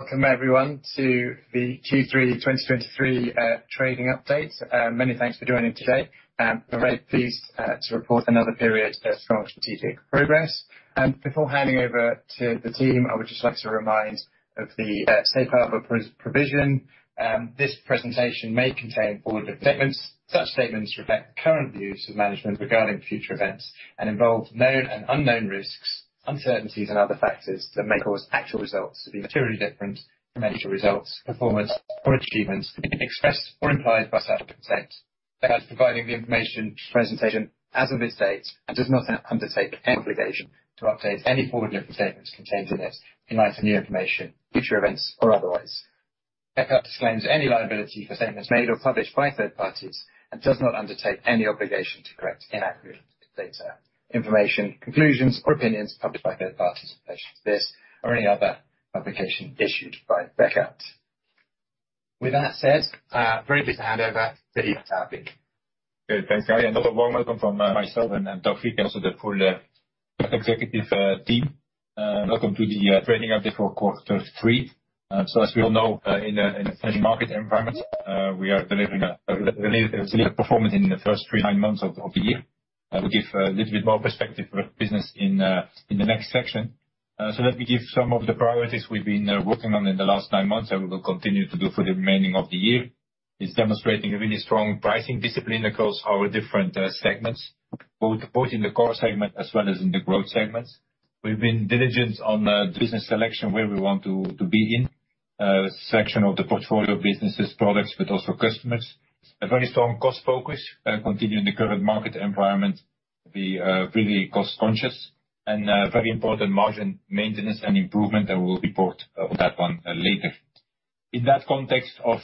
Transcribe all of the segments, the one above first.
Welcome, everyone, to the Q3 2023 trading update. Many thanks for joining today, and I'm very pleased to report another period of strong strategic progress. Before handing over to the team, I would just like to remind of the safe harbor provision. This presentation may contain forward-looking statements. Such statements reflect current views of management regarding future events and involve known and unknown risks, uncertainties, and other factors that may cause actual results to be materially different from future results, performance, or achievements expressed or implied by such statements. Bekaert is providing the information presentation as of this date and does not undertake any obligation to update any forward-looking statements contained in this in light of new information, future events, or otherwise. Bekaertt disclaims any liability for statements made or published by third parties and does not undertake any obligation to correct inaccurate data, information, conclusions, or opinions published by third parties in relation to this or any other application issued by Bekaer. With that said, very pleased to hand over to Yves Kerstens. Okay, thanks, Guy, and welcome from myself and Taoufiq, also the full executive team. Welcome to the trading update for quarter three. So as we all know, in a challenging market environment, we are delivering a related performance in the first three, nine months of the year. I will give a little bit more perspective for business in the next section. So let me give some of the priorities we've been working on in the last nine months, and we will continue to do for the remaining of the year. It's demonstrating a really strong pricing discipline across our different segments, both in the core segment as well as in the growth segments. We've been diligent on business selection, where we want to, to be in section of the portfolio of businesses, products, but also customers. A very strong cost focus, continuing the current market environment, be really cost conscious, and very important margin maintenance and improvement, and we'll report on that one later. In that context of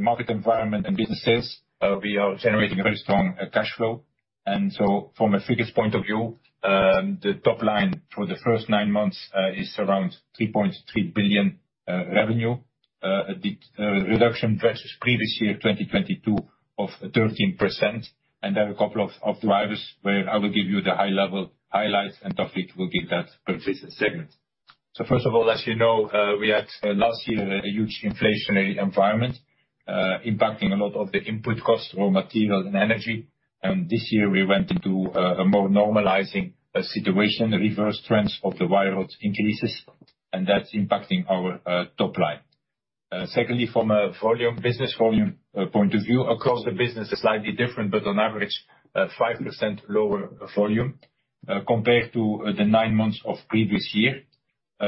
market environment and business sales, we are generating a very strong cash flow. And so from a figures point of view, the top line for the first nine months is around 3.3 billion revenue. The reduction versus previous year, 2022, of 13%. And there are a couple of drivers where I will give you the high level highlights, and Taoufiq will give that per business segment. First of all, as you know, we had last year a huge inflationary environment impacting a lot of the input costs for materials and energy. And this year, we went into a more normalizing situation, reverse trends of the wild increases, and that's impacting our top line. Secondly, from a volume, business volume point of view, across the business is slightly different, but on average, 5% lower volume compared to the nine months of previous year.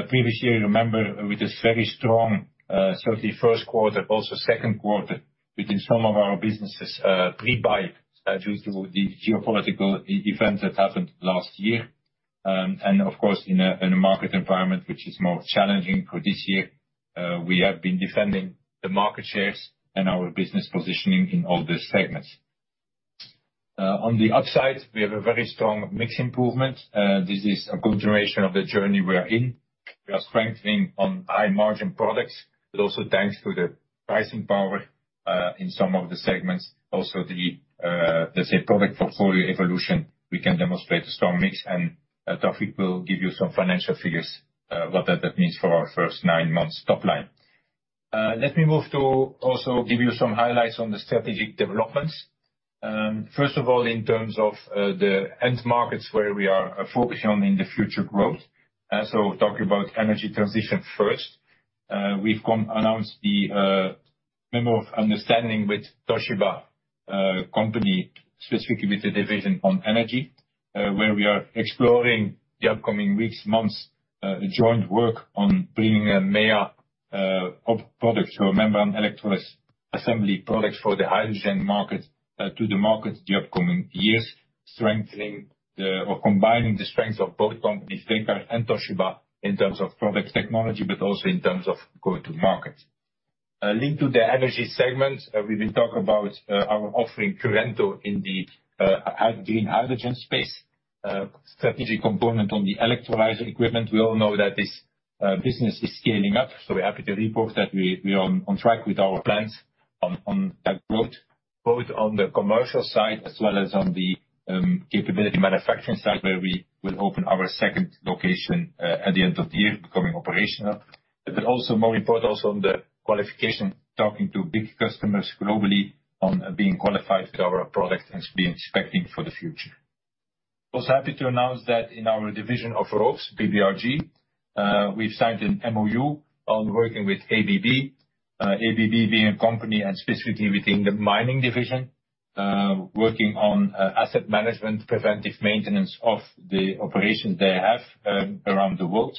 Previous year, remember, with this very strong first quarter, also second quarter, within some of our businesses, pre-buy due to the geopolitical event that happened last year. Of course, in a market environment, which is more challenging for this year, we have been defending the market shares and our business positioning in all these segments. On the upside, we have a very strong mix improvement, this is a good duration of the journey we are in. We are strengthening on high margin products, but also thanks to the pricing power in some of the segments, also the, let's say, product portfolio evolution, we can demonstrate a strong mix, and Tawfik will give you some financial figures, what that means for our first nine months top line. Let me move to also give you some highlights on the strategic developments. First of all, in terms of the end markets where we are focusing on in the future growth, so talking about energy transition first, we've announced the memo of understanding with Toshiba company, specifically with the division on energy, where we are exploring the upcoming weeks, months, a joint work on bringing a MEA of products, so membrane electrolysis assembly products for the hydrogen market to the market in the upcoming years, strengthening or combining the strengths of both companies, Bekaert and Toshiba, in terms of products technology, but also in terms of go-to-market. Linked to the energy segment, we will talk about our offering, Currento, in the green hydrogen space, strategic component on the electrolyzer equipment. We all know that this business is scaling up, so we're happy to report that we are on track with our plans on that growth, both on the commercial side as well as on the capability manufacturing side, where we will open our second location at the end of the year, becoming operational. But then also more important, also on the qualification, talking to big customers globally on being qualified to our products and be expecting for the future. Also happy to announce that in our division of ropes, BBRG, we've signed an MOU on working with ABB. ABB being a company and specifically within the mining division, working on asset management, preventive maintenance of the operations they have around the world.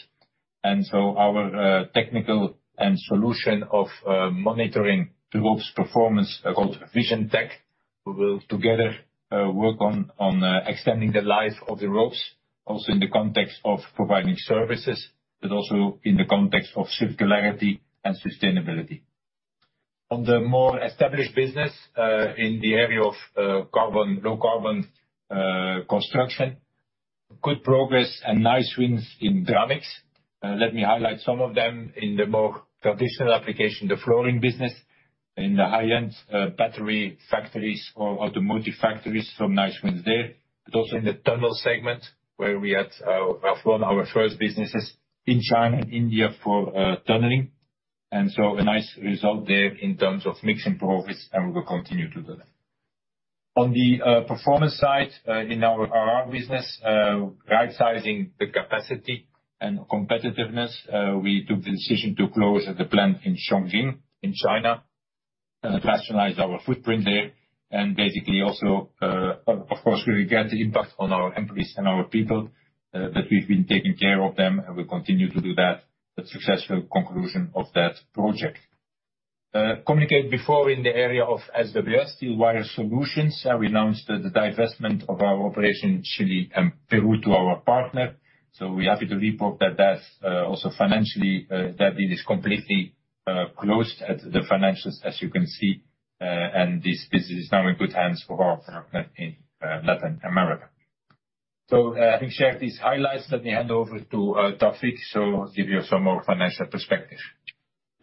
And so our technical and solution of monitoring the ropes performance, called VisionTek, we will together work on extending the life of the ropes, also in the context of providing services, but also in the context of circularity and sustainability. On the more established business in the area of carbon, low carbon construction, good progress and nice wins in Dramix. Let me highlight some of them in the more traditional application, the flooring business... in the high-end battery factories or automotive factories, some nice wins there. But also in the tunnel segment, where we had one of our first businesses in China and India for tunneling. And so a nice result there in terms of mix and profits, and we will continue to do that. On the performance side, in our RR business, rightsizing the capacity and competitiveness, we took the decision to close the plant in Chongqing, in China, and rationalize our footprint there, and basically also. Of course, we get the impact on our employees and our people, but we've been taking care of them, and we continue to do that, the successful conclusion of that project. Communicated before in the area of SWS, Steel Wire Solutions, we announced the divestment of our operation in Chile and Peru to our partner. So we're happy to report that that, also financially, that it is completely closed at the financials, as you can see, and this is now in good hands for our partner in Latin America. So, I think shared these highlights. Let me hand over to Taoufik, so give you some more financial perspective.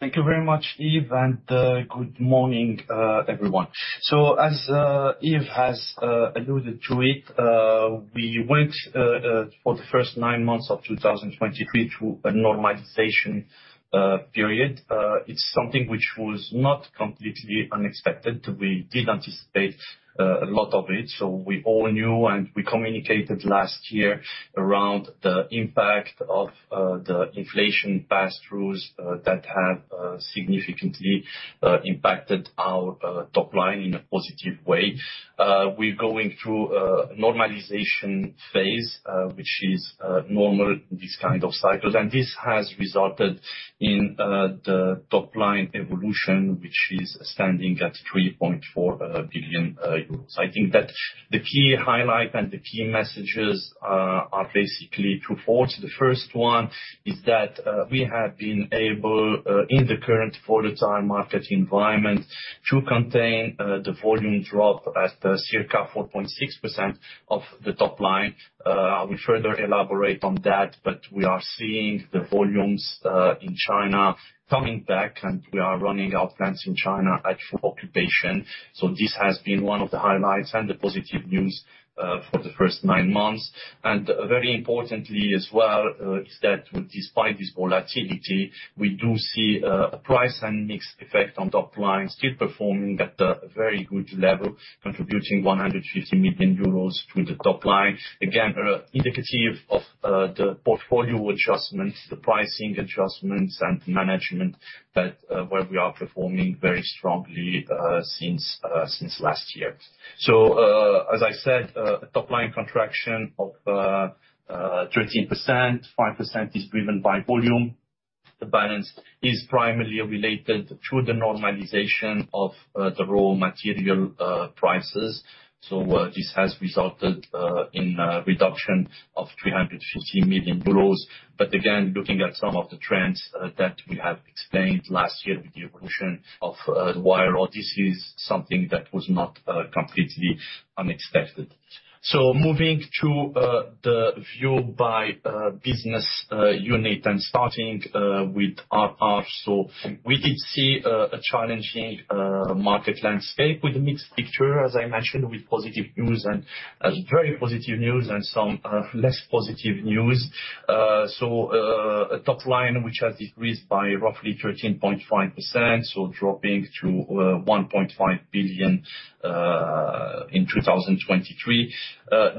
Thank you very much, Yves, and good morning everyone. So as Yves has alluded to it, we went for the first nine months of 2023 through a normalization period. It's something which was not completely unexpected. We did anticipate a lot of it, so we all knew, and we communicated last year around the impact of the inflation pass-throughs that have significantly impacted our top line in a positive way. We're going through a normalization phase, which is normal in these kind of cycles, and this has resulted in the top-line evolution, which is standing at 3.4 billion euros. I think that the key highlight and the key messages are basically twofold. The first one is that we have been able in the current volatile market environment to contain the volume drop at circa 4.6% of the top line. I will further elaborate on that, but we are seeing the volumes in China coming back, and we are running our plants in China at full occupation. So this has been one of the highlights and the positive news for the first nine months. And very importantly as well is that despite this volatility, we do see a price and mix effect on top line still performing at a very good level, contributing 150 million euros to the top line. Again, indicative of the portfolio adjustments, the pricing adjustments and management, but where we are performing very strongly since last year. So, as I said, a top-line contraction of 13%, 5% is driven by volume. The balance is primarily related to the normalization of the raw material prices. So, this has resulted in a reduction of 350 million euros. But again, looking at some of the trends that we have explained last year with the evolution of wire rod, this is something that was not completely unexpected. So moving to the view by business unit, and starting with RR. So we did see a challenging market landscape with a mixed picture, as I mentioned, with positive news and very positive news and some less positive news. So, a top line which has decreased by roughly 13.5%, so dropping to 1.5 billion in 2023.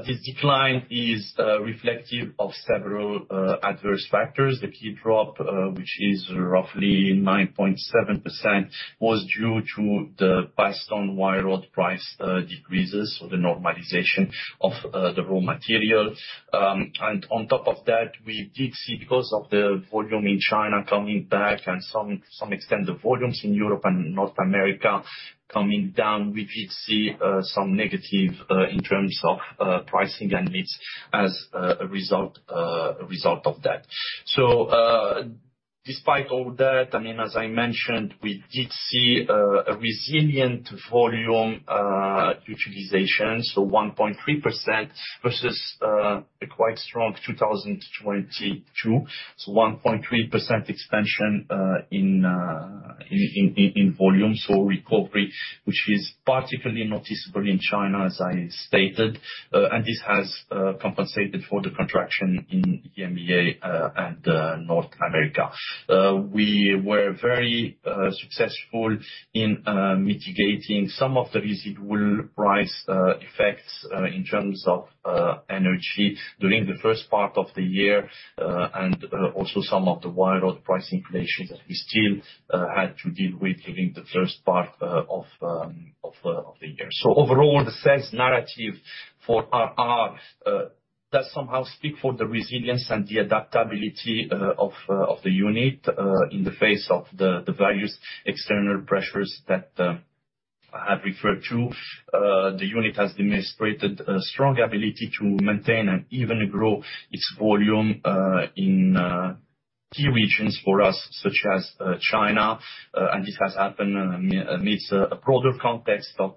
This decline is reflective of several adverse factors. The key drop, which is roughly 9.7%, was due to the baseline wire rod price decreases, so the normalization of the raw material. And on top of that, we did see, because of the volume in China coming back and to some extent, the volumes in Europe and North America coming down, we did see some negative in terms of pricing and mix as a result of that. So, despite all that, I mean, as I mentioned, we did see a resilient volume utilization, so 1.3% versus a quite strong 2022. So 1.3% expansion in volume. So recovery, which is particularly noticeable in China, as I stated, and this has compensated for the contraction in EMEA and North America. We were very successful in mitigating some of the residual price effects in terms of energy during the first part of the year and also some of the wire rod price inflation that we still had to deal with during the first part of the year. So overall, the sales narrative for RR does somehow speak for the resilience and the adaptability of the unit in the face of the various external pressures that I've referred to. The unit has demonstrated a strong ability to maintain and even grow its volume in key regions for us, such as China, and this has happened amidst a broader context of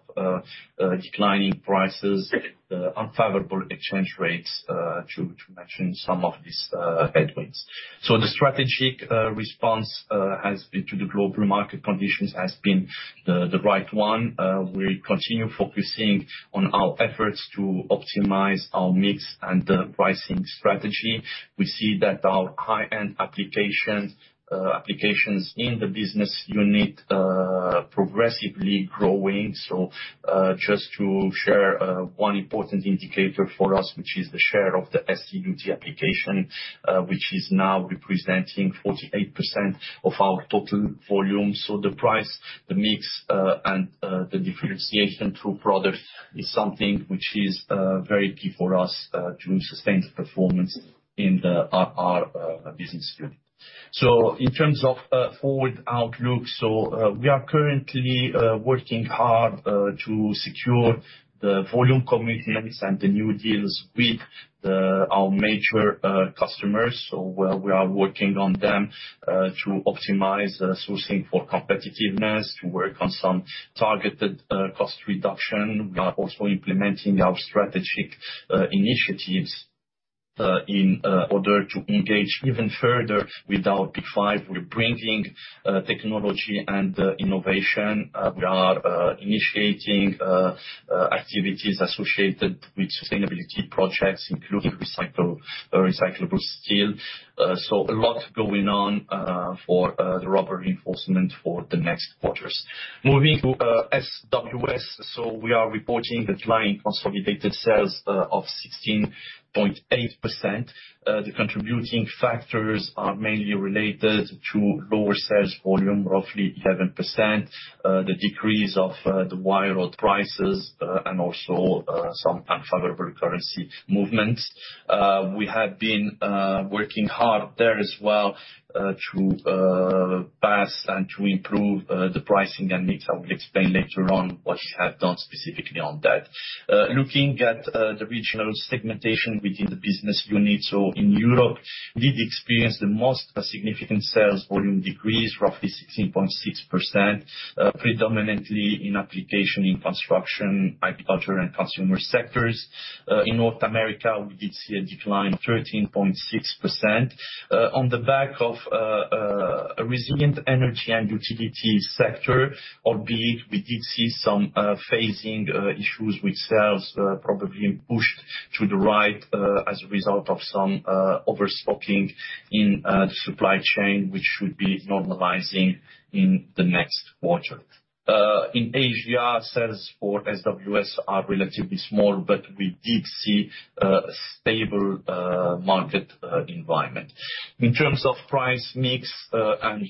declining prices, unfavorable exchange rates, to mention some of these headwinds. So the strategic response to the global market conditions has been the right one. We continue focusing on our efforts to optimize our mix and the pricing strategy. We see that our high-end applications in the business unit progressively growing. So, just to share, one important indicator for us, which is the share of the ST/UT application, which is now representing 48% of our total volume. So the price, the mix, and the differentiation through product is something which is very key for us to sustain the performance in the RR business unit. So in terms of forward outlook, so, we are currently working hard to secure the volume commitments and the new deals with our major customers. So where we are working on them to optimize sourcing for competitiveness, to work on some targeted cost reduction. We are also implementing our strategic initiatives in order to engage even further with our P5. We're bringing technology and innovation. We are initiating activities associated with sustainability projects, including recyclable steel. So a lot going on for the rubber reinforcement for the next quarters. Moving to SWS. So we are reporting declining consolidated sales of 16.8%. The contributing factors are mainly related to lower sales volume, roughly 11%, the decrease of the wire rod prices, and also some unfavorable currency movements. We have been working hard there as well to pass and to improve the pricing and mix. I will explain later on what we have done specifically on that. Looking at the regional segmentation within the business unit. So in Europe, we did experience the most significant sales volume decrease, roughly 16.6%, predominantly in applications in construction, agriculture, and consumer sectors. In North America, we did see a decline of 13.6%, on the back of a resilient energy and utility sector, albeit we did see some phasing issues with sales, probably pushed to the right, as a result of some overstocking in the supply chain, which should be normalizing in the next quarter. In Asia, sales for SWS are relatively small, but we did see a stable market environment. In terms of price mix and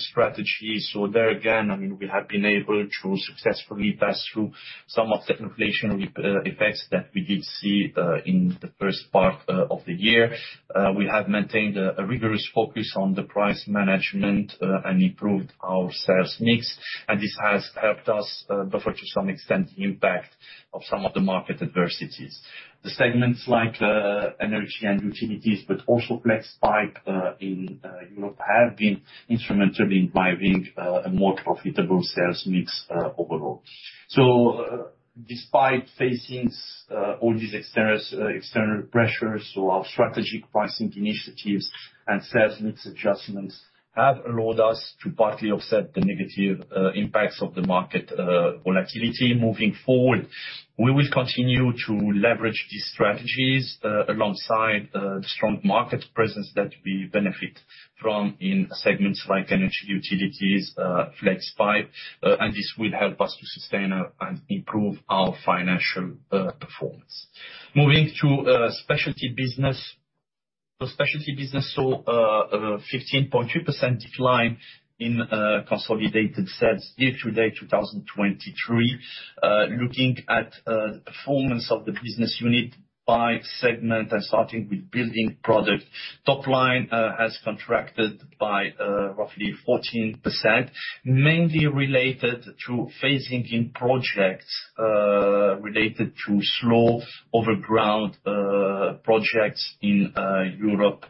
strategy, so there again, I mean, we have been able to successfully pass through some of the inflationary effects that we did see in the first part of the year. We have maintained a rigorous focus on the price management and improved our sales mix, and this has helped us buffer, to some extent, the impact of some of the market adversities. The segments like energy and utilities, but also flex pipe in Europe, have been instrumental in driving a more profitable sales mix overall. So despite facing all these external pressures, so our strategic pricing initiatives and sales mix adjustments have allowed us to partly offset the negative impacts of the market volatility. Moving forward, we will continue to leverage these strategies, alongside the strong market presence that we benefit from in segments like energy, utilities, flex pipe, and this will help us to sustain and improve our financial performance. Moving to specialty business. The specialty business saw a 15.2% decline in consolidated sales year-to-date 2023. Looking at performance of the business unit by segment and starting with building product, top line has contracted by roughly 14%, mainly related to phasing in projects related to slow overground projects in Europe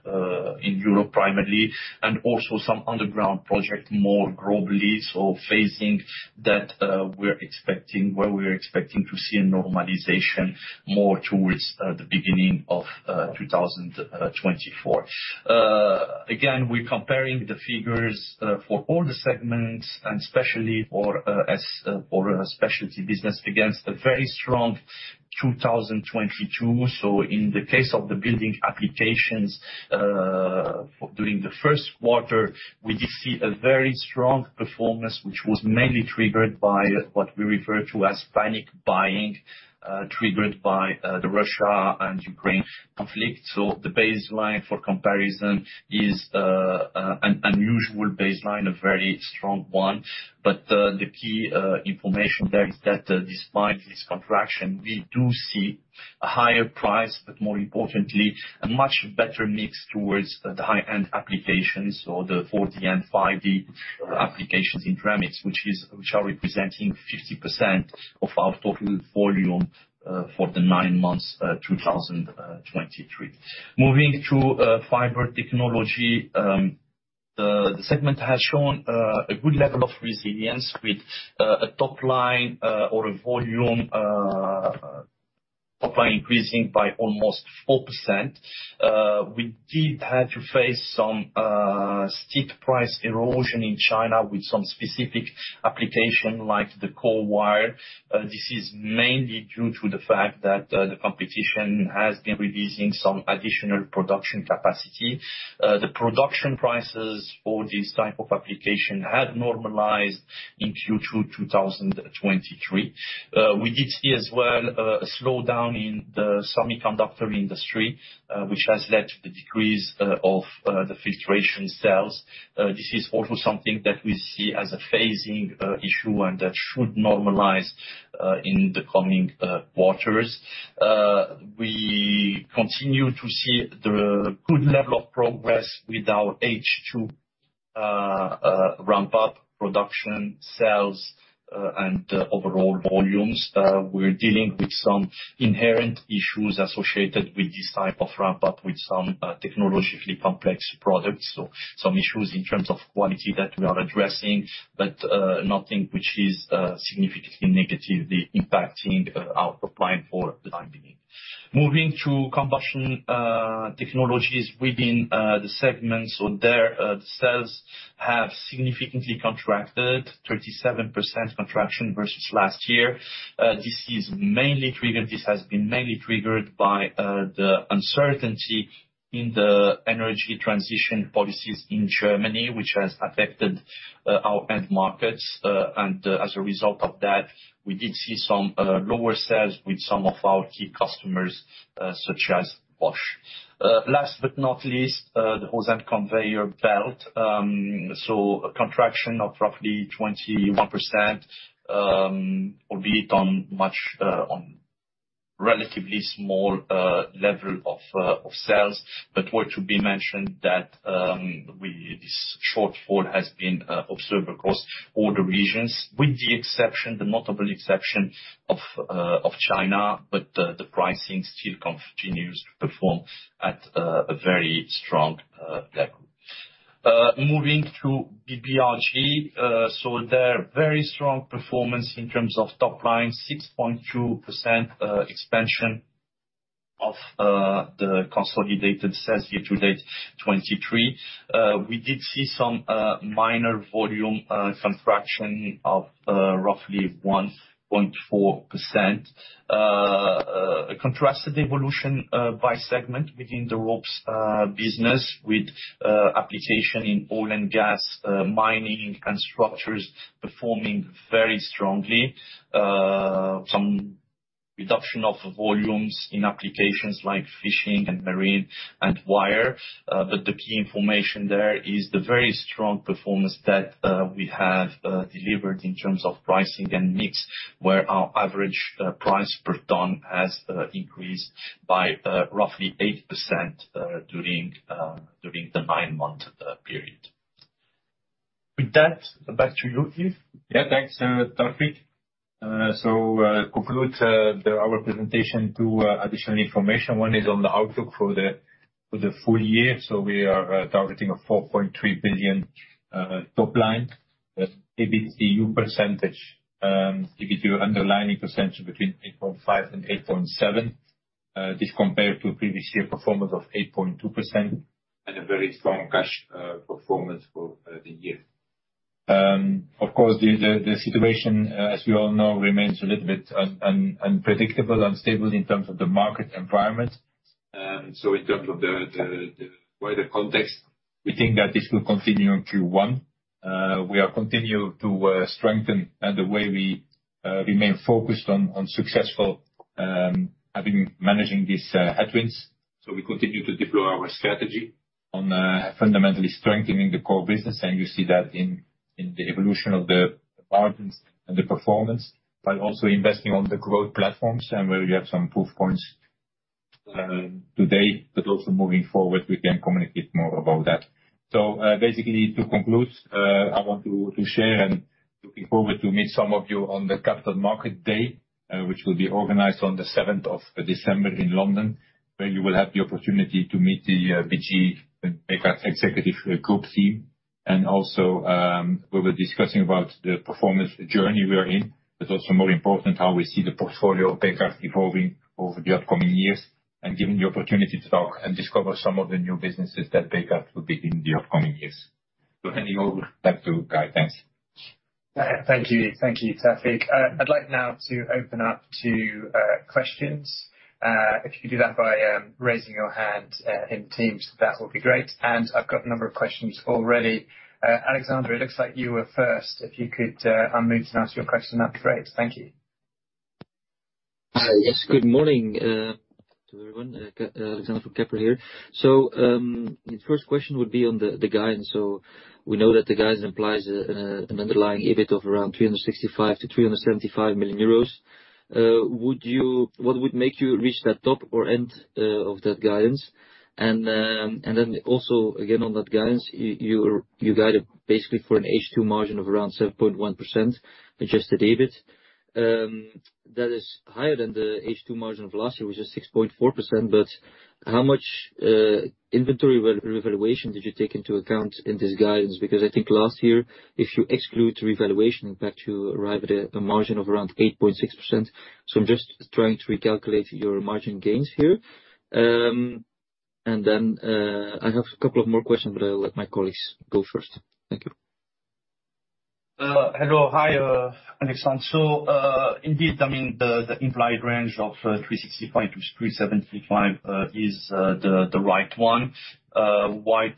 primarily, and also some underground project, more globally. So phasing that, we're expecting to see a normalization more towards the beginning of 2024. Again, we're comparing the figures for all the segments and especially for a specialty business against a very strong 2022. So in the case of the building applications, during the first quarter, we did see a very strong performance, which was mainly triggered by what we refer to as panic buying, triggered by the Russia and Ukraine conflict. So the baseline for comparison is an unusual baseline, a very strong one. But the key information there is that despite this contraction, we do see a higher price, but more importantly, a much better mix towards the high-end applications or the 4D and 5D applications in ceramics, which are representing 50% of our total volume for the nine months, 2023. Moving to fiber technology... The segment has shown a good level of resilience with a top line or a volume top line increasing by almost 4%. We did have to face some steep price erosion in China with some specific application, like the core wire. This is mainly due to the fact that the competition has been releasing some additional production capacity. The production prices for this type of application had normalized in Q2, 2023. We did see as well a slowdown in the semiconductor industry, which has led to the decrease of the filtration sales. This is also something that we see as a phasing issue and that should normalize in the coming quarters. We continue to see the good level of progress with our H2 ramp-up production, sales, and overall volumes. We're dealing with some inherent issues associated with this type of ramp-up, with some technologically complex products, so some issues in terms of quality that we are addressing, but nothing which is significantly negatively impacting our top line for the time being. Moving to combustion technologies within the segment, so there the sales have significantly contracted, 37% contraction versus last year. This has been mainly triggered by the uncertainty in the energy transition policies in Germany, which has affected our end markets. And as a result of that, we did see some lower sales with some of our key customers, such as Bosch. Last but not least, the hose and conveyor belt. So a contraction of roughly 21%, albeit on much, on relatively small level of sales. But worth to be mentioned that, we, this shortfall has been observed across all the regions, with the exception, the notable exception of China, but the, the pricing still continues to perform at a, a very strong level. Moving to BBRG, so there, very strong performance in terms of top line, 6.2% expansion of the consolidated sales year to date 2023. We did see some minor volume contraction of roughly 1.4%. A contrasted evolution by segment within the ropes business, with application in oil and gas, mining and structures performing very strongly. Some reduction of volumes in applications like fishing and marine and wire, but the key information there is the very strong performance that we have delivered in terms of pricing and mix, where our average price per ton has increased by roughly 8% during the nine-month period. With that, back to you, Yves. Yeah. Thanks, Taoufiq. So, to conclude our presentation to additional information. One is on the outlook for the full year. So we are targeting a 4.3 billion top line, EBITDA underlying percentage between 8.5%-8.7%. This compared to previous year performance of 8.2%, and a very strong cash performance for the year. Of course, the situation, as we all know, remains a little bit unpredictable, unstable in terms of the market environment. So in terms of the wider context, we think that this will continue in Q1. We are continue to strengthen the way we remain focused on successful having managing these headwinds. So we continue to deploy our strategy on, fundamentally strengthening the core business, and you see that in the evolution of the margins and the performance, but also investing on the growth platforms and where we have some proof points, today, but also moving forward, we can communicate more about that. So, basically, to conclude, I want to share and looking forward to meet some of you on the Capital Market Day, which will be organized on the seventh of December in London, where you will have the opportunity to meet the, BG, executive group team. And also, we'll be discussing about the performance journey we are in, but also more important, how we see the portfolio of Bekaert evolving over the upcoming years, and giving the opportunity to talk and discover some of the new businesses that Bekaert will be in the upcoming years. So handing over back to Guy. Thanks. Thank you. Thank you, Tafig. I'd like now to open up to questions. If you could do that by raising your hand in Teams, that would be great. I've got a number of questions already. Alexander, it looks like you were first. If you could unmute and ask your question, that'd be great. Thank you. Hi. Yes, good morning to everyone. Alex from Kepler here. So, the first question would be on the guidance. So we know that the guidance implies an underlying EBIT of around 365 million-375 million euros. What would make you reach that top end of that guidance? And then also, again, on that guidance, you guided basically for an H2 margin of around 7.1% adjusted EBIT. That is higher than the H2 margin of last year, which was 6.4%, but-... How much inventory revaluation did you take into account in this guidance? Because I think last year, if you exclude revaluation, in fact, you arrive at a margin of around 8.6%. So I'm just trying to recalculate your margin gains here. And then, I have a couple of more questions, but I'll let my colleagues go first. Thank you. Hello. Hi, Alexander. So, indeed, I mean, the implied range of 360.2-375 is the right one. What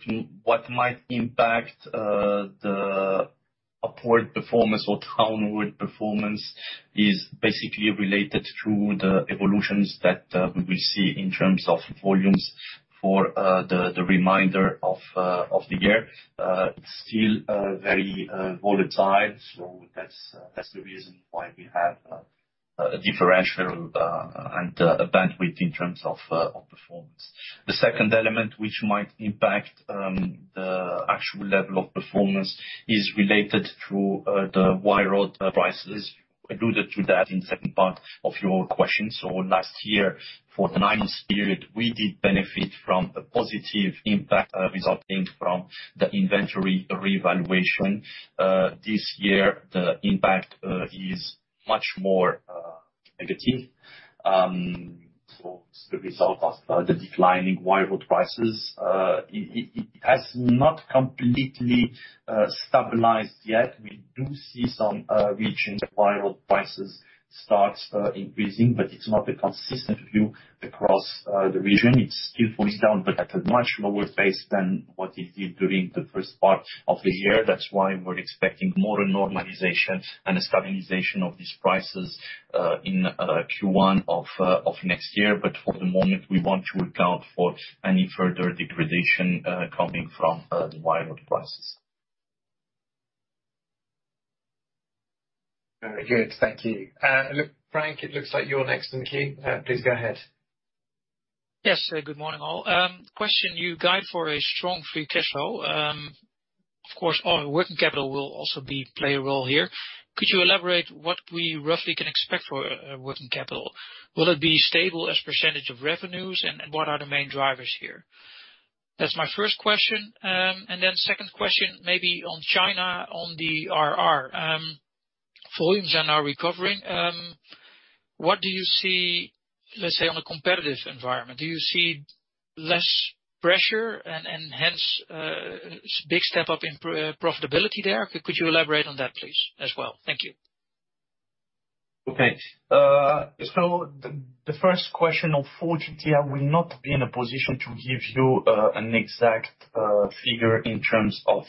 might impact the upward performance or downward performance is basically related to the evolutions that we will see in terms of volumes for the remainder of the year. It's still very volatile, so that's the reason why we have a differential and a bandwidth in terms of performance. The second element, which might impact the actual level of performance, is related to the wire rod prices. I alluded to that in the second part of your question. So last year, for the nine months period, we did benefit from a positive impact resulting from the inventory revaluation. This year, the impact is much more negative. So it's the result of the declining wire rod prices. It has not completely stabilized yet. We do see some regions wire rod prices start increasing, but it's not a consistent view across the region. It's still going down, but at a much lower pace than what it did during the first part of the year. That's why we're expecting more normalization and stabilization of these prices in Q1 of next year. But for the moment, we want to account for any further degradation coming from the wire rod prices. Very good. Thank you. Look, Frank, it looks like you're next in the queue. Please go ahead. Yes. Good morning, all. Question: You guide for a strong free cash flow. Of course, our working capital will also play a role here. Could you elaborate what we roughly can expect for working capital? Will it be stable as percentage of revenues, and, and what are the main drivers here? That's my first question. And then second question, maybe on China, on the RR. Volumes are now recovering. What do you see, let's say, on a competitive environment? Do you see less pressure and, and hence big step up in profitability there? Could you elaborate on that, please, as well? Thank you. Okay. So the first question, on fourth quarter, I will not be in a position to give you an exact figure in terms of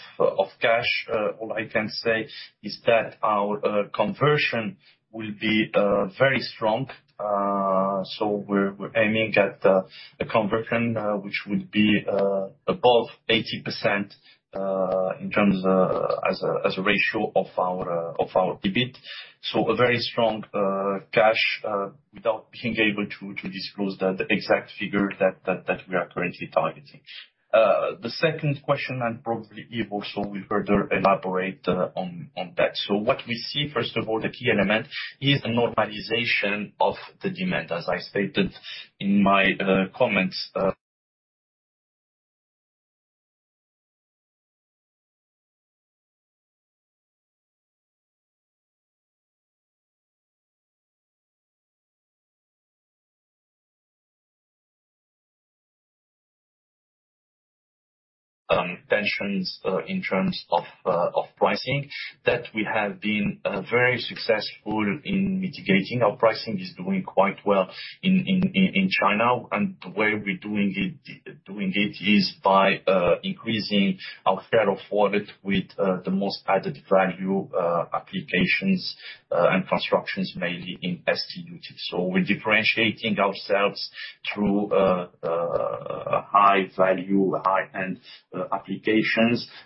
cash. All I can say is that our conversion will be very strong. So we're aiming at a conversion which will be above 80% in terms of as a ratio of our EBIT. So a very strong cash without being able to disclose the exact figure that we are currently targeting. The second question, and probably Yves also will further elaborate on that. So what we see, first of all, the key element is a normalization of the demand, as I stated in my comments. tensions in terms of pricing that we have been very successful in mitigating. Our pricing is doing quite well in China, and the way we're doing it is by increasing our share of wallet with the most added value applications and constructions, mainly in ST UTs. So we're differentiating ourselves through a high value, high-end applications,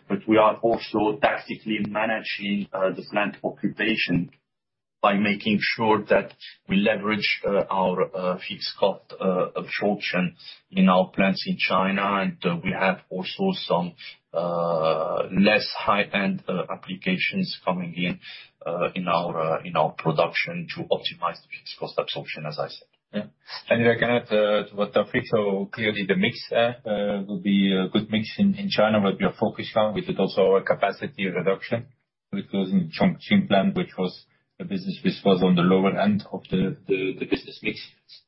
but we are also tactically managing the plant occupation by making sure that we leverage our fixed cost absorption in our plants in China. And we have also some less high-end applications coming in in our production to optimize the fixed cost absorption, as I said. Yeah. And I can add to what Alfredo, clearly the mix will be a good mix in China, where we are focused on. We did also our capacity reduction, which was in Chongqing plant, which was a business which was on the lower end of the business mix.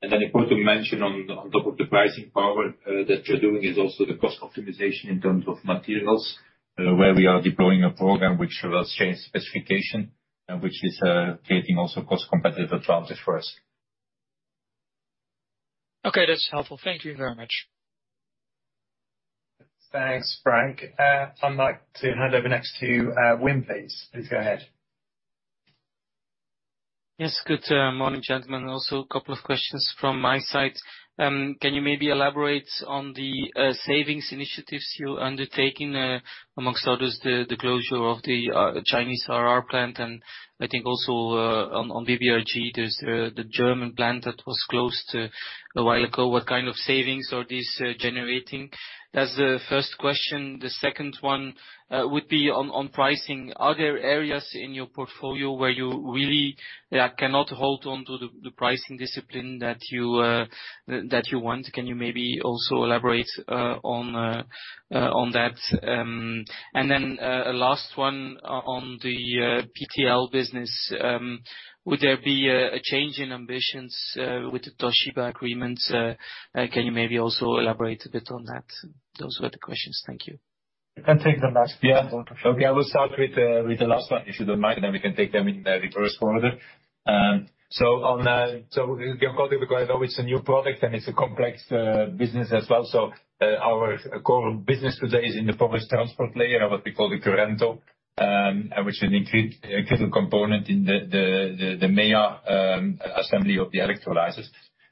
And then important to mention on top of the pricing power that we're doing, is also the cost optimization in terms of materials, where we are deploying a program which will change specification and which is creating also cost competitive advantage for us. Okay, that's helpful. Thank you very much. Thanks, Frank. I'd like to hand over next to Wim, please. Please go ahead. Yes, good morning, gentlemen. Also a couple of questions from my side. Can you maybe elaborate on the savings initiatives you're undertaking, among others, the closure of the Chinese RR plant, and I think also on BBRG, there's the German plant that was closed a while ago. What kind of savings are these generating? That's the first question. The second one would be on pricing. Are there areas in your portfolio where you really cannot hold on to the pricing discipline that you want? Can you maybe also elaborate on that? And then a last one on the PTL business. Would there be a change in ambitions with the Toshiba agreements? Can you maybe also elaborate a bit on that? Those were the questions. Thank you. ... You can take them last. Yeah. Okay, I will start with, with the last one, if you don't mind, and then we can take them in reverse order. So on, so Guillaume called it, because I know it's a new product and it's a complex business as well. So, our core business today is in the porous transport layer of what we call the Currento, and which is a critical component in the, the, the MEA assembly of the electrolyzers.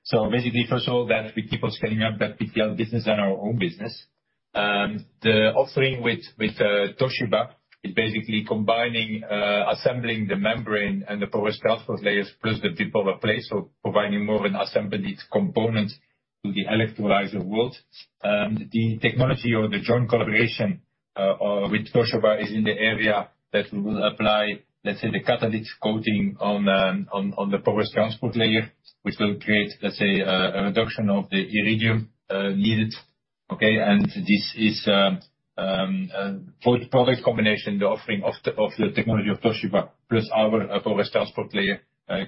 So basically, first of all, that we keep on scaling up that PTL business and our own business. The offering with, with, Toshiba is basically combining, assembling the membrane and the porous transport layers plus the bipolar plate, so providing more of an assembled component to the electrolyzer world. The technology or the joint collaboration with Toshiba is in the area that we will apply, let's say, the catalytic coating on the porous transport layer, which will create, let's say, a reduction of the iridium needed, okay? And this is both product combination, the offering of the technology of Toshiba plus our porous transport layer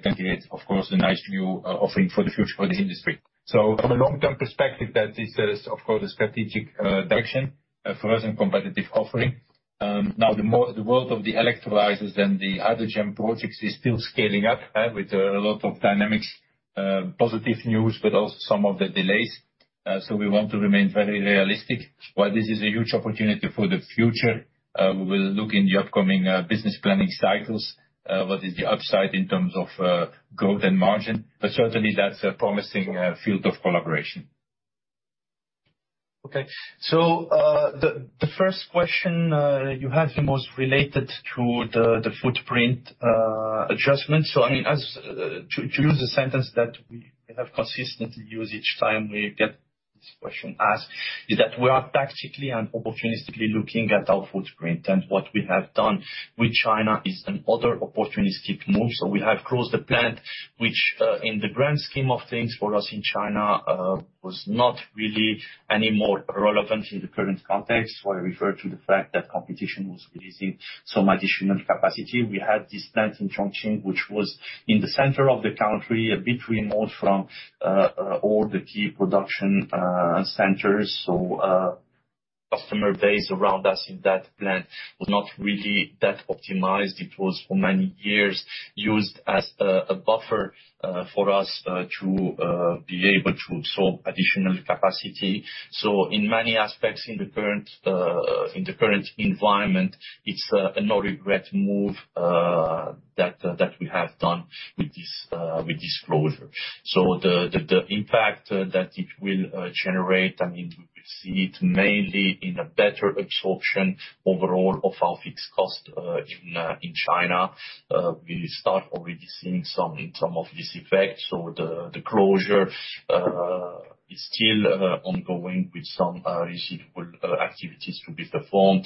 can create, of course, a nice new offering for the future for the industry. So from a long-term perspective, that is, of course, a strategic direction, a fresh and competitive offering. Now, the world of the electrolyzers and the hydrogen projects is still scaling up with a lot of dynamics, positive news, but also some of the delays. So we want to remain very realistic. While this is a huge opportunity for the future, we will look in the upcoming business planning cycles what is the upside in terms of growth and margin, but certainly that's a promising field of collaboration. Okay. So, the first question you had was related to the footprint adjustment. So, I mean, as to use a sentence that we have consistently used each time we get this question asked, is that we are tactically and opportunistically looking at our footprint, and what we have done with China is another opportunistic move. So we have closed the plant, which, in the grand scheme of things for us in China, was not really any more relevant in the current context, where I refer to the fact that competition was releasing some additional capacity. We had this plant in Chongqing, which was in the center of the country, between all the key production centers. So, customer base around us in that plant was not really that optimized. It was for many years used as a buffer for us to be able to absorb additional capacity. So in many aspects, in the current environment, it's a no regret move that we have done with this closure. So the impact that it will generate, I mean, we will see it mainly in a better absorption overall of our fixed cost in China. We start already seeing some of this effect, so the closure is still ongoing with some receivable activities to be performed.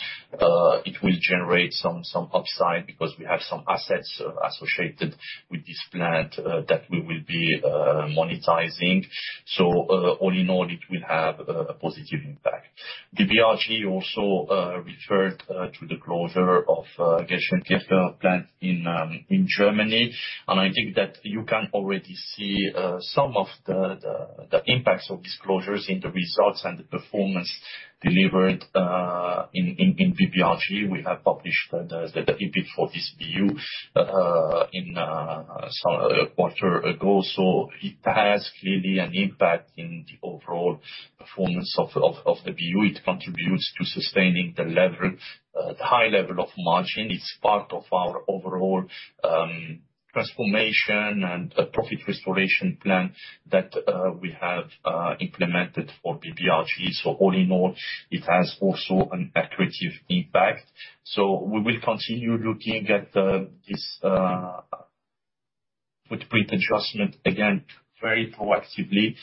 It will generate some upside because we have some assets associated with this plant that we will be monetizing. So all in all, it will have a positive impact. BBRG also referred to the closure of Gescher plant in Germany, and I think that you can already see some of the impacts of these closures in the results and the performance delivered in BBRG. We have published the EBIT for this BU in some quarter ago. So it has clearly an impact in the overall performance of the BU. It contributes to sustaining the high level of margin. It's part of our overall transformation and a profit restoration plan that we have implemented for BBRG. So all in all, it has also an accretive impact. So we will continue looking at this footprint adjustment, again, very proactively.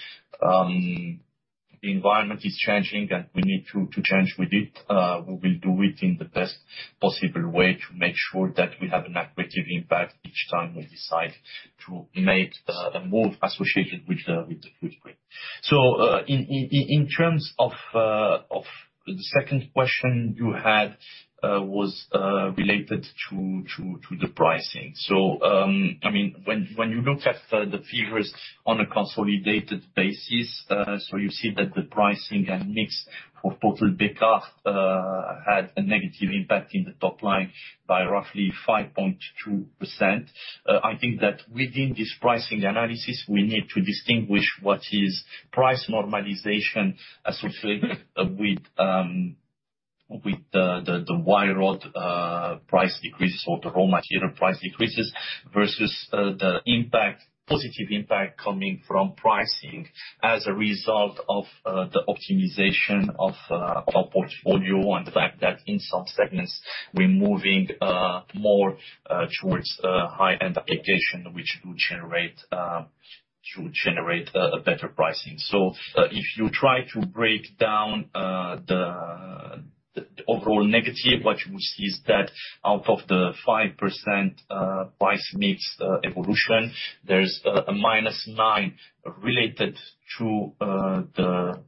The environment is changing, and we need to change with it. We will do it in the best possible way to make sure that we have an accretive impact each time we decide to make a move associated with the footprint. So, in terms of the second question you had was related to the pricing. So, I mean, when you look at the figures on a consolidated basis, so you see that the pricing and mix for total Bekaert had a negative impact in the top line by roughly 5.2%. I think that within this pricing analysis, we need to distinguish what is price normalization associated with the wire rod price decreases or the raw material price decreases, versus the positive impact coming from pricing as a result of the optimization of our portfolio, and the fact that in some segments, we're moving more towards a high-end application, which will generate should generate a better pricing. So if you try to break down the overall negative, what you will see is that out of the 5% price mix evolution, there's a -9% related to the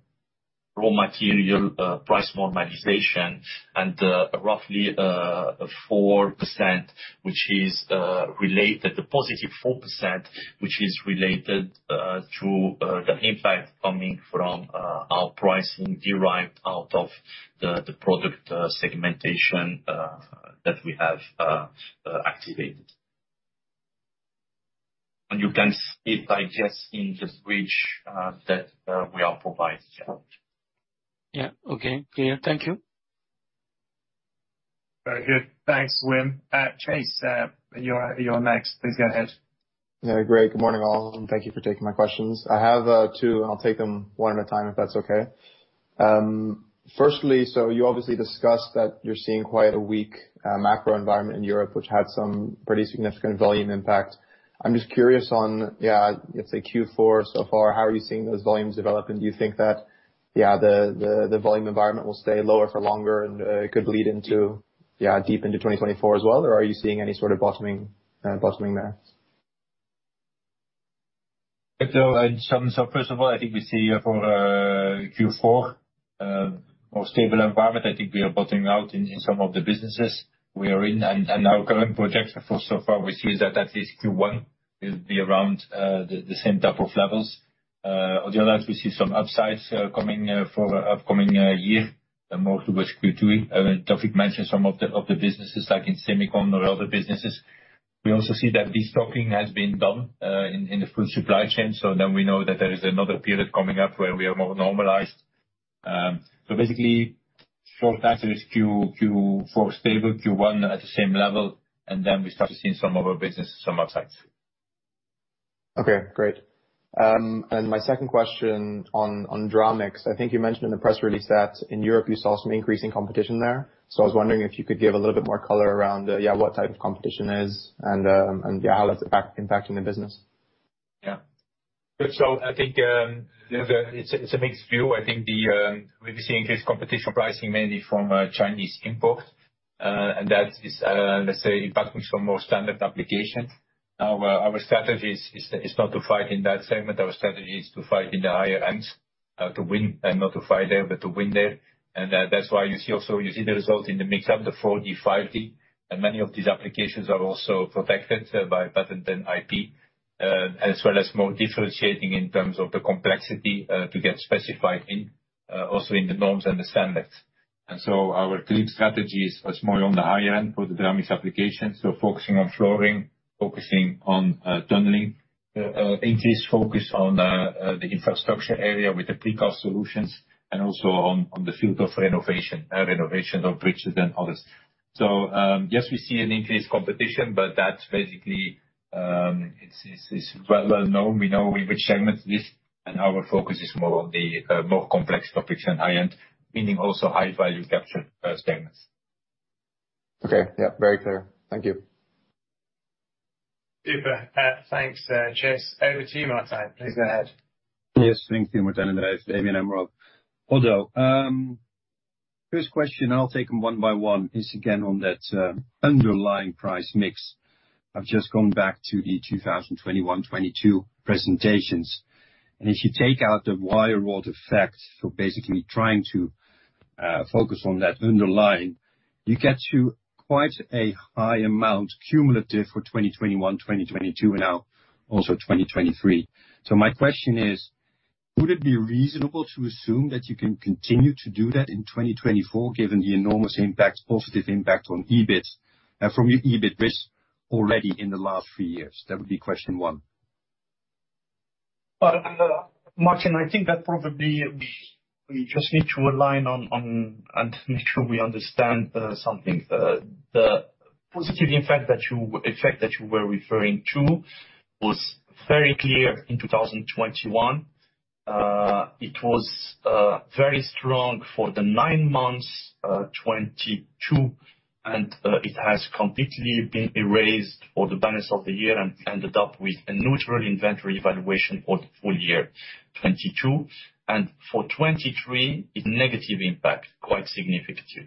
raw material price normalization, and roughly 4%, which is related, the positive 4%, which is related to the impact coming from our pricing derived out of the product segmentation that we have activated. And you can see it by just in the switch that we are providing support. Yeah, okay. Clear. Thank you. Very good. Thanks, Wim. Chase, you are, you are next. Please go ahead. Yeah, great. Good morning, all, and thank you for taking my questions. I have two, and I'll take them one at a time, if that's okay. Firstly, so you obviously discussed that you're seeing quite a weak macro environment in Europe, which had some pretty significant volume impact. I'm just curious on, yeah, let's say Q4 so far, how are you seeing those volumes develop, and do you think that, yeah, the volume environment will stay lower for longer and could bleed into, yeah, deep into 2024 as well, or are you seeing any sort of bottoming, bottoming there? So, first of all, I think we see for Q4 more stable environment. I think we are bottoming out in some of the businesses we are in. And our current projects for so far, we see that at least Q1 will be around the same type of levels. On the other, we see some upsides coming for upcoming year, and more towards Q2. I mean, Taoufiq mentioned some of the businesses, like in semicon or other businesses. We also see that destocking has been done in the food supply chain, so then we know that there is another period coming up where we are more normalized. So basically, short answer is Q4 stable, Q1 at the same level, and then we start to see in some of our businesses some upsides. Okay, great. And my second question on Dramix. I think you mentioned in the press release that in Europe you saw some increasing competition there. So I was wondering if you could give a little bit more color around, yeah, what type of competition is, and, yeah, how that's impacting the business. Yeah. Good. So I think it's a mixed view. I think we've seen increased competition pricing mainly from Chinese imports, and that is, let's say, impacting some more standard applications. Our strategy is not to fight in that segment. Our strategy is to fight in the higher ends, to win, and not to fight there, but to win there. And, that's why you see also, you see the results in the mix up, the 4D, 5D, and many of these applications are also protected by patent and IP, as well as more differentiating in terms of the complexity, to get specified in, also in the norms and the standards. Our clear strategy is more on the higher end for the Dramix applications, so focusing on flooring, focusing on tunneling, increased focus on the infrastructure area with the precast solutions, and also on the field of renovation, renovation of bridges and others. Yes, we see an increased competition, but that's basically, it's well-known. We know in which segments it is, and our focus is more on the more complex topics and high end, meaning also high value capture segments. Okay. Yeah, very clear. Thank you. Super. Thanks, Chase. Over to you, Martijn. Please go ahead. Yes, thanks. Martijn from ABN AMRO. Although, first question, I'll take them one by one, is again on that underlying price mix. I've just gone back to the 2021, 2022 presentations, and if you take out the wire rod effect for basically trying to focus on that underlying, you get to quite a high amount cumulative for 2021, 2022, and now also 2023. So my question is: Would it be reasonable to assume that you can continue to do that in 2024, given the enormous impact, positive impact on EBIT from your EBIT mix already in the last three years? That would be question one. Martijn, I think that probably we just need to align on and make sure we understand something. The positive impact, the effect that you were referring to was very clear in 2021. It was very strong for the nine months 2022, and it has completely been erased for the balance of the year and ended up with a neutral inventory valuation for the full year 2022. For 2023, a negative impact, quite significant too.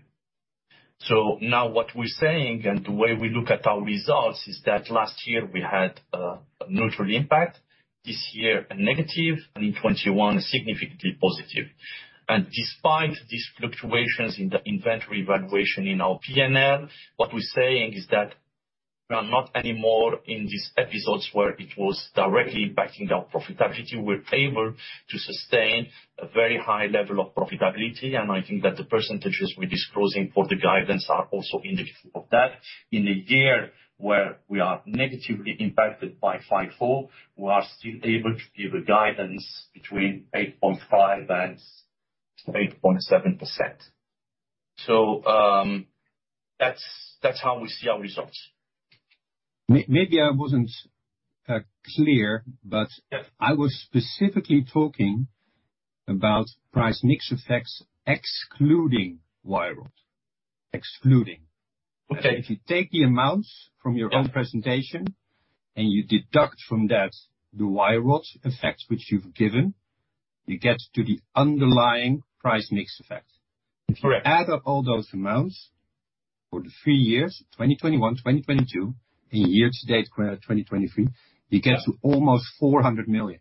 So now what we're saying, and the way we look at our results, is that last year we had a neutral impact, this year a negative, and in 2021, significantly positive. And despite these fluctuations in the inventory valuation in our PNL, what we're saying is that we are not anymore in these episodes where it was directly impacting our profitability. We're able to sustain a very high level of profitability, and I think that the percentages we're disclosing for the guidance are also indicative of that. In a year where we are negatively impacted by 5-4, we are still able to give a guidance between 8.5% and 8.7%. So, that's, that's how we see our results. Maybe I wasn't clear, but- Yeah. I was specifically talking about price mix effects, excluding wire rod. Okay. If you take the amounts from your own presentation, and you deduct from that the wire rod effect, which you've given, you get to the underlying price mix effect. Correct. If you add up all those amounts for the three years, 2021, 2022, and year to date, 2023, you get to almost 400 million.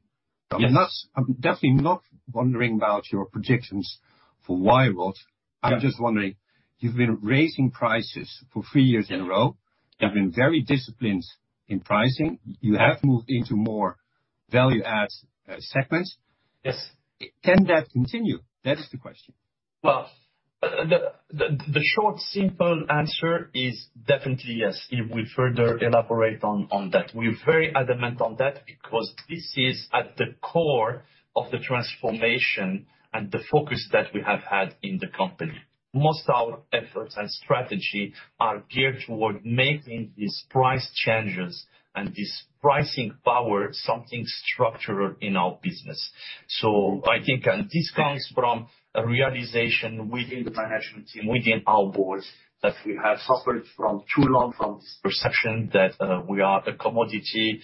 Yes. I'm definitely not wondering about your projections for wire rod. Yeah. I'm just wondering, you've been raising prices for three years in a row. Yeah. You've been very disciplined in pricing. You have moved into more value adds, segments? Yes. Can that continue? That is the question. Well, the short, simple answer is definitely yes. If we further elaborate on that, we're very adamant on that, because this is at the core of the transformation and the focus that we have had in the company. Most of our efforts and strategy are geared toward making these price changes and this pricing power something structural in our business. So I think, and this comes from a realization within the management team, within our board, that we have suffered from too long from this perception that we are a commodity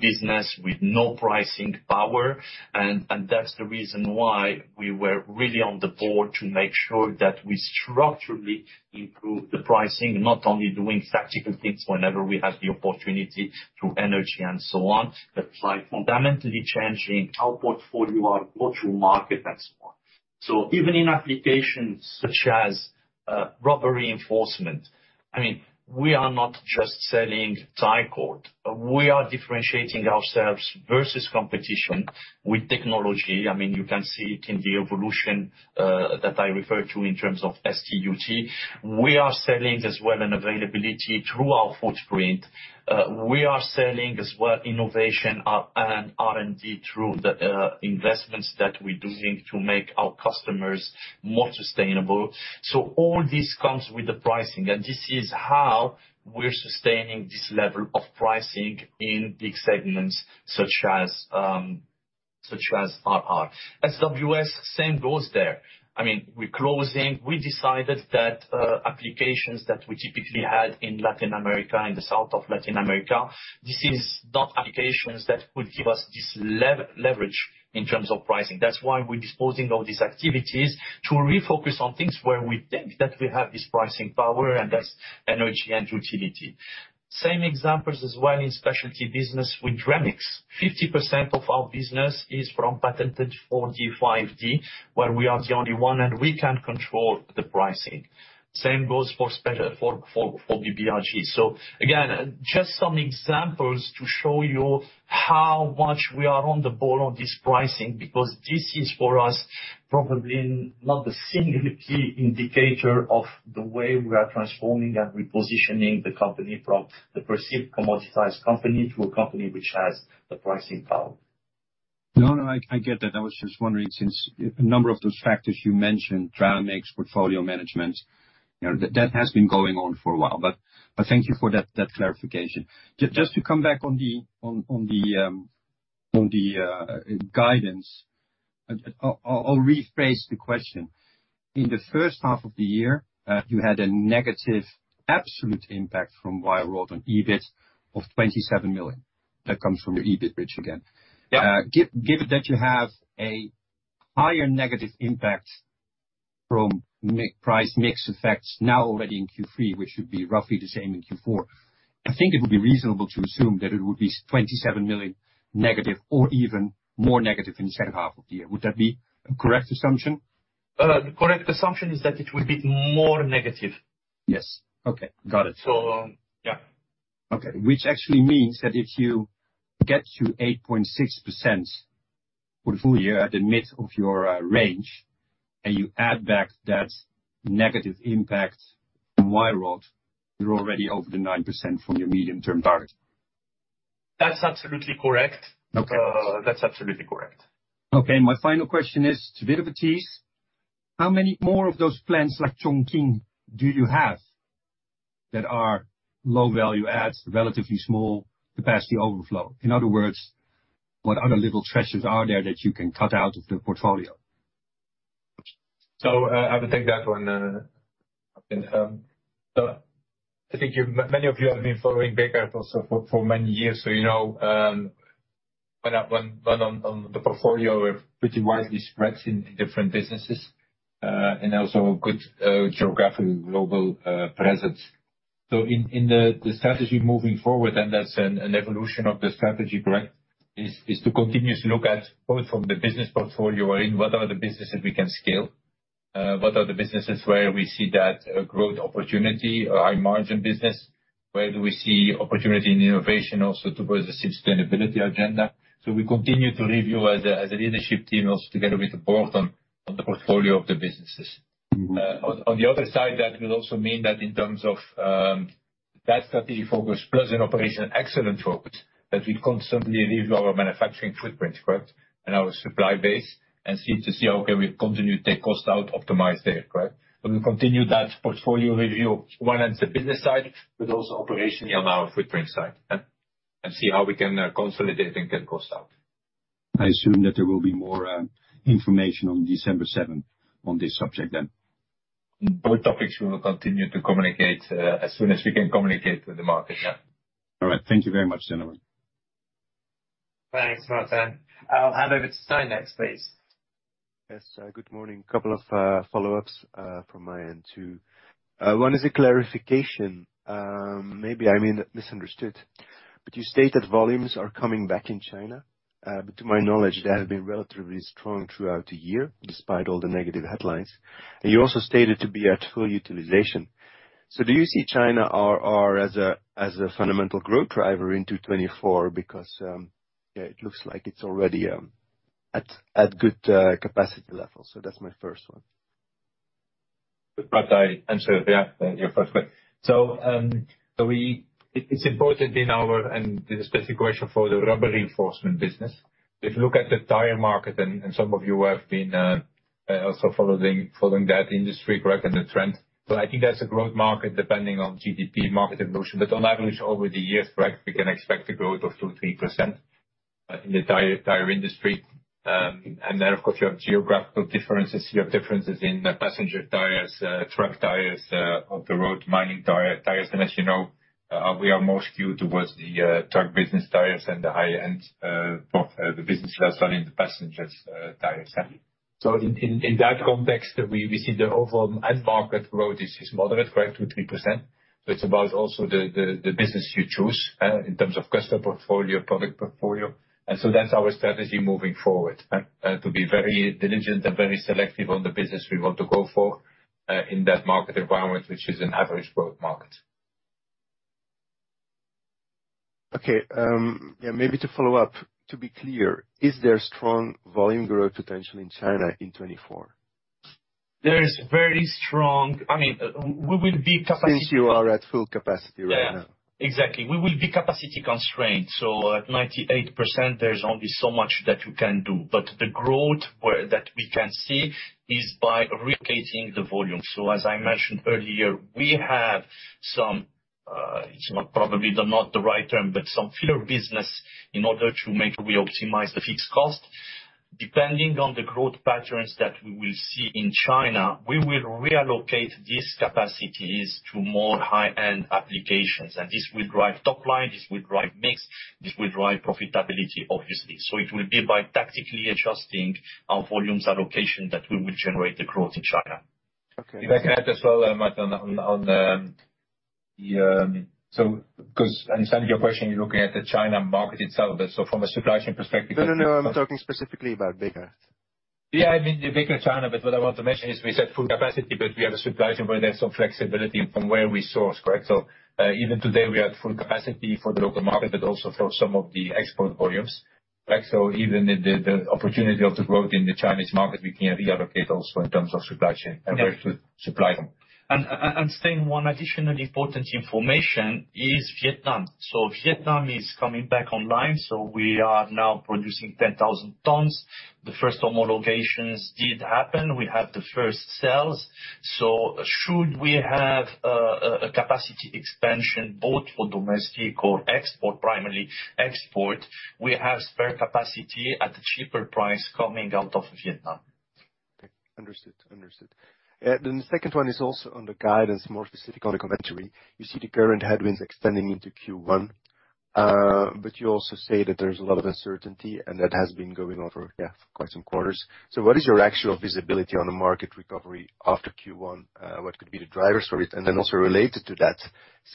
business with no pricing power. And that's the reason why we were really on the board to make sure that we structurally improve the pricing, not only doing tactical things whenever we have the opportunity to energy and so on, but by fundamentally changing our portfolio, our go-to market, and so on. So even in applications such as rubber reinforcement, I mean, we are not just selling tire cord. We are differentiating ourselves versus competition with technology. I mean, you can see it in the evolution that I referred to in terms of STUT. We are selling as well and availability through our footprint. We are selling as well innovation and R&D through the investments that we're doing to make our customers more sustainable. So all this comes with the pricing, and this is how we're sustaining this level of pricing in the segments such as such as RR. SWS, same goes there. I mean, we're closing. We decided that applications that we typically had in Latin America, in the south of Latin America, this is not applications that would give us this leverage in terms of pricing. That's why we're disposing of these activities, to refocus on things where we think that we have this pricing power, and that's energy and utility. Same examples as well in specialty business with Dramix. 50% of our business is from patented 4D, 5D, where we are the only one, and we can control the pricing. Same goes for BBRG. So again, just some examples to show you how much we are on the ball on this pricing, because this is, for us, probably not the single key indicator of the way we are transforming and repositioning the company from the perceived commoditized company to a company which has the pricing power. No, no, I get that. I was just wondering, since a number of those factors you mentioned, Dramix, portfolio management, you know, that has been going on for a while. But thank you for that clarification. Just to come back on the guidance, I'll rephrase the question. In the first half of the year, you had a negative absolute impact from wire rod on EBIT of 27 million. That comes from your EBIT bridge again. Yeah. Given that you have a higher negative impact from price mix effects now already in Q3, which should be roughly the same in Q4, I think it would be reasonable to assume that it would be -27 million or even more negative in the second half of the year. Would that be a correct assumption? The correct assumption is that it will be more negative. Yes. Okay. Got it. So, yeah. Okay, which actually means that if you get to 8.6% for the full year at the mid of your range, and you add back that negative impact from wire rod, you're already over the 9% from your medium-term target. That's absolutely correct. Okay. That's absolutely correct. Okay, my final question is toYves Kertens. How many more of those plants like Chongqing do you have that are low value adds, relatively small capacity overflow? In other words, what other little treasures are there that you can cut out of the portfolio? So, I will take that one, and so I think many of you have been following Bekaert for so long, for many years, so you know, when on the portfolio, we're pretty widely spread in different businesses, and also a good geographical global presence. So in the strategy moving forward, and that's an evolution of the strategy, correct, is to continuously look at both from the business portfolio and what are the businesses we can scale, what are the businesses where we see that growth opportunity or high margin business? Where do we see opportunity in innovation also towards the sustainability agenda? So we continue to review as a leadership team, also together with the board on the portfolio of the businesses. Mm-hmm. On the other side, that will also mean that in terms of that strategy focus plus an operational excellence focus, that we constantly review our manufacturing footprint, correct, and our supply base, and seek to see how we can continue to take cost out, optimize there, correct? But we continue that portfolio review, one on the business side, but also operationally on our footprint side, and see how we can consolidate and get cost out. I assume that there will be more information on December 7 on this subject then. Both topics, we will continue to communicate as soon as we can communicate with the market, yeah. All right. Thank you very much, gentlemen. Thanks, Martijn. I'll hand over to Stein next, please. Yes, good morning. Couple of follow-ups from my end, too. One is a clarification. Maybe I misunderstood, but you stated volumes are coming back in China. But to my knowledge, they have been relatively strong throughout the year, despite all the negative headlines. And you also stated to be at full utilization. So do you see China RR as a fundamental growth driver in 2024? Because, yeah, it looks like it's already growing at good capacity levels. That's my first one. But I answer, yeah, your first one. So, it's important in our and the specific question for the rubber reinforcement business, if you look at the tire market, and some of you have been also following that industry, correct, and the trends. So I think that's a growth market, depending on GDP market evolution, but on average, over the years, right, we can expect a growth of 2%-3% in the tire industry. And then, of course, you have geographical differences. You have differences in the passenger tires, truck tires, off the road mining tires. And as you know, we are more skewed towards the truck business tires and the high-end both the business class and the passenger tires. So in that context, we see the overall end market growth is moderate, correct, 2%-3%. But it's about also the business you choose in terms of customer portfolio, product portfolio. And so that's our strategy moving forward to be very diligent and very selective on the business we want to go for in that market environment, which is an average growth market. Okay, yeah, maybe to follow up, to be clear, is there strong volume growth potential in China in 2024? There is very strong... I mean, we will be capacity- Since you are at full capacity right now. Yeah, exactly. We will be capacity constrained, so at 98%, there's only so much that you can do. But the growth that we can see is by relocating the volume. So as I mentioned earlier, we have some, it's not probably the, not the right term, but some filler business in order to make we optimize the fixed cost. Depending on the growth patterns that we will see in China, we will reallocate these capacities to more high-end applications, and this will drive top line, this will drive mix, this will drive profitability, obviously. So it will be by tactically adjusting our volumes allocation that we will generate the growth in China. Okay. If I can add as well, Stijn, so 'cause I understand your question, you're looking at the China market itself, but so from a supply chain perspective- No, no, no, I'm talking specifically about Bekaert. Yeah, I mean, the Bekaert China, but what I want to mention is we said full capacity, but we have a supply chain where there's some flexibility from where we source, correct? So, even today, we are at full capacity for the local market, but also for some of the export volumes, right? So even the opportunity of the growth in the Chinese market, we can reallocate also in terms of supply chain and where to supply them. And, and stating one additional important information is Vietnam. So Vietnam is coming back online, so we are now producing 10,000 tons. The first homologations did happen. We have the first sales. So should we have a capacity expansion, both for domestic or export, primarily export, we have spare capacity at a cheaper price coming out of Vietnam. Okay. Understood, understood. Then the second one is also on the guidance, more specifically on the commentary. You see the current headwinds extending into Q1, but you also say that there's a lot of uncertainty, and that has been going on for, yeah, for quite some quarters. So what is your actual visibility on the market recovery after Q1? What could be the drivers for it? And then also related to that,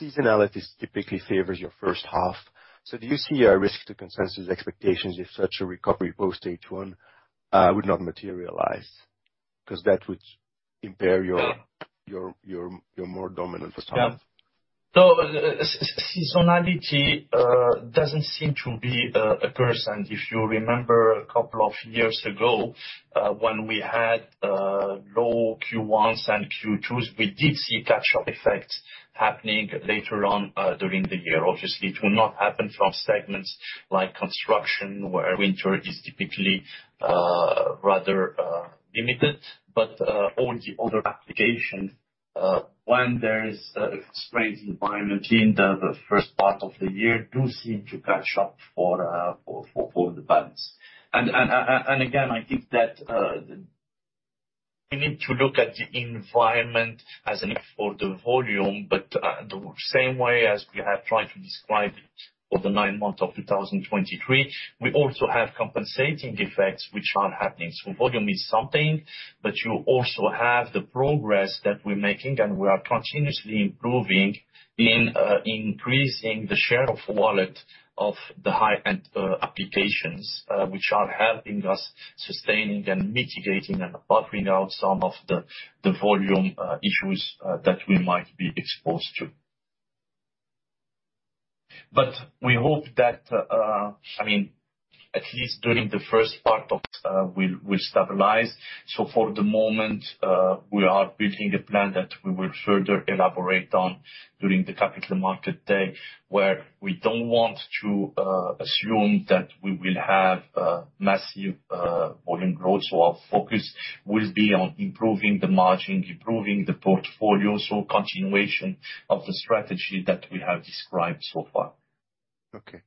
seasonality typically favors your first half. So do you see a risk to consensus expectations if such a recovery post H1 would not materialize? 'Cause that would impair your, your, your, your more dominant first half. Yeah. So seasonality doesn't seem to be a person. If you remember a couple of years ago, when we had low Q1s and Q2s, we did see a catch-up effect happening later on during the year. Obviously, it will not happen from segments like construction, where winter is typically rather limited, but all the other applications, when there is a constrained environment in the first part of the year, do seem to catch up for the balance. And again, I think that we need to look at the environment as an for the volume, but the same way as we have tried to describe it for the nine months of 2023, we also have compensating effects which are happening. So volume is something, but you also have the progress that we're making, and we are continuously improving in increasing the share of wallet of the high-end applications, which are helping us sustaining and mitigating and buffering out some of the, the volume issues that we might be exposed to. But we hope that, I mean, at least during the first part of, will stabilize. So for the moment, we are building a plan that we will further elaborate on during the Capital Market Day, where we don't want to assume that we will have a massive volume growth. So our focus will be on improving the margin, improving the portfolio, so continuation of the strategy that we have described so far. Okay.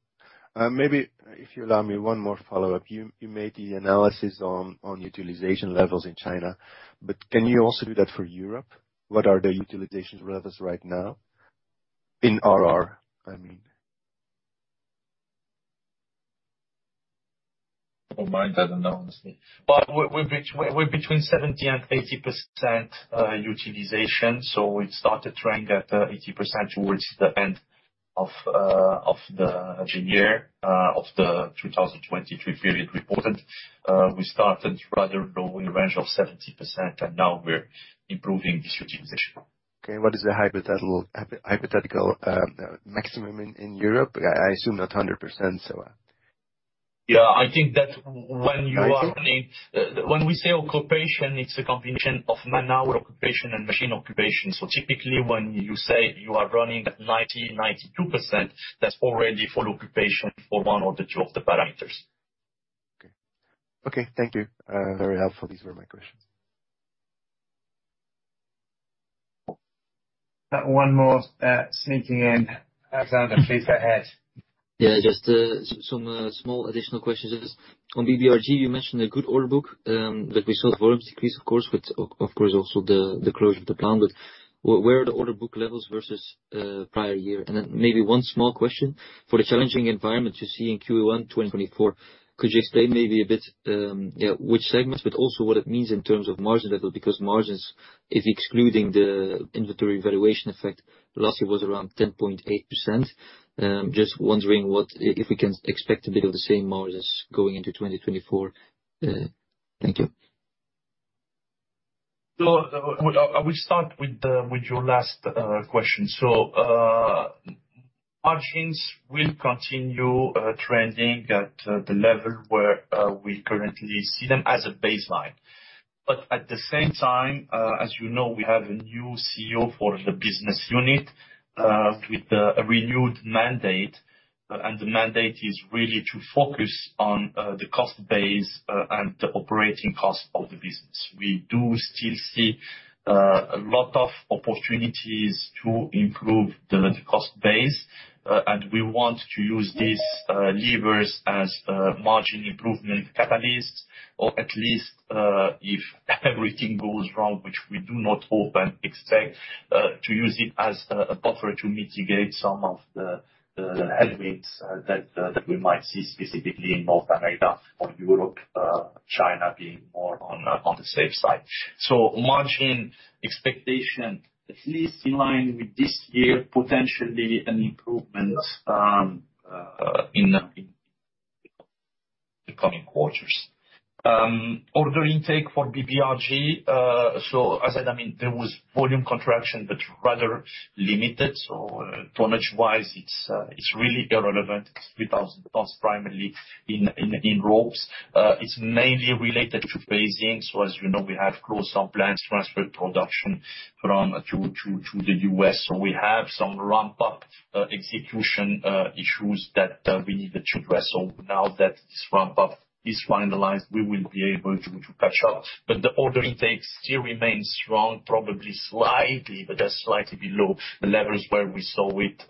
Maybe if you allow me one more follow-up. You made the analysis on utilization levels in China, but can you also do that for Europe? What are the utilization levels right now in RR, I mean? Oh, my, I don't know, honestly. But we're between 70%-80% utilization, so we started running at 80% towards the end of the year of the 2023 period reported. We started rather low, in the range of 70%, and now we're improving this utilization. Okay, what is the hypothetical maximum in Europe? I assume not 100%, so. Yeah, I think that when you are- Ninety? When we say occupation, it's a combination of man-hour occupation and machine occupation. So typically, when you say you are running at 90%-92%, that's already full occupation for one or the two of the parameters. Okay. Okay, thank you. Very helpful. These were my questions. Got one more, sneaking in. Alexander, please go ahead. Yeah, just some small additional questions. On BBRG, you mentioned a good order book, that we saw the volumes decrease, of course, with, of course, also the closure of the plant. But where are the order book levels versus prior year? And then maybe one small question: for the challenging environment you see in Q1 2024, could you explain maybe a bit, which segments, but also what it means in terms of margin level? Because margins, if excluding the inventory valuation effect, last year was around 10.8%. Just wondering what if we can expect a bit of the same margins going into 2024? Thank you. I will start with your last question. Margins will continue trending at the level where we currently see them as a baseline. But at the same time, as you know, we have a new CEO for the business unit, with a renewed mandate, and the mandate is really to focus on the cost base and the operating cost of the business. We do still see a lot of opportunities to improve the cost base, and we want to use these levers as margin improvement catalysts, or at least, if everything goes wrong, which we do not hope and expect, to use it as a buffer to mitigate some of the headwinds that we might see specifically in North America or Europe, China being more on the safe side. So margin expectation, at least in line with this year, potentially an improvement in the coming quarters. Order intake for BBRG, so as said, I mean, there was volume contraction, but rather limited. So tonnage-wise, it's really irrelevant. It's 3,000 tons, primarily in ropes. It's mainly related to phasing. So as you know, we have closed some plants, transferred production from to the US. So we have some ramp-up, execution issues that we needed to address. So now that this ramp-up is finalized, we will be able to catch up. But the order intake still remains strong, probably slightly, but that's slightly below the levels where we saw it,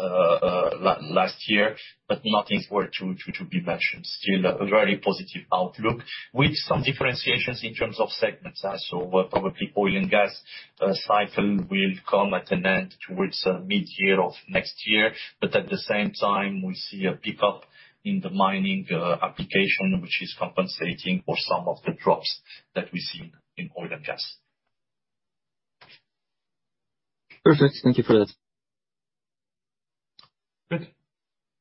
last year, but nothing worth to be mentioned. Still a very positive outlook, with some differentiations in terms of segments also, where probably oil and gas cycle will come at an end towards mid-year of next year. But at the same time, we see a pickup in the mining application, which is compensating for some of the drops that we see in oil and gas. Perfect. Thank you for that. Good.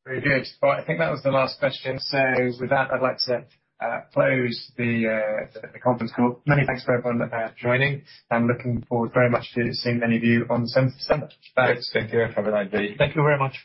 Very good. Well, I think that was the last question. So with that, I'd like to close the conference call. Many thanks to everyone for joining, and looking forward very much to seeing many of you on the seventh of December. Thanks. Take care. Have a nice day. Thank you very much.